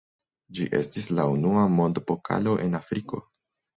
Ĝi estis la unua mondpokalo en Afriko.